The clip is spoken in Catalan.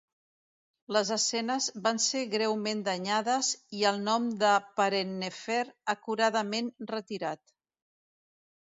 Les escenes van ser greument danyades i el nom de Parennefer acuradament retirat.